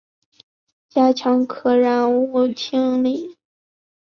加强可燃物清理